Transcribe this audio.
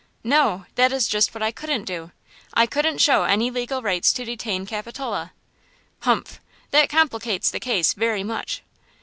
"No; that is just what I couldn't do; I couldn't show any legal rights to detain Capitola." "Humph! That complicates the case very much!"